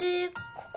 ここ？